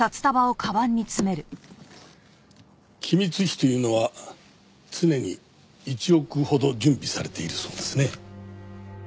機密費というのは常に１億ほど準備されているそうですね。